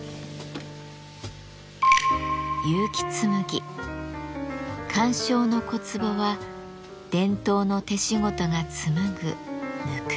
結城紬鑑賞の小壺は伝統の手仕事が紡ぐぬくもり。